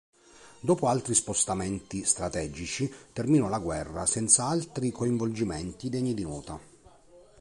Dopo altri spostamenti strategici, terminò la guerra senza altri coinvolgimenti degni di nota.